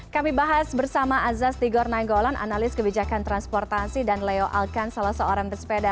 kami bahas bersama azaz tigor nainggolan analis kebijakan transportasi dan leo alkan salah seorang pesepeda